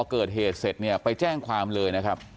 เกิดเหตุเสร็จเนี่ยไปแจ้งความเลยนะครับ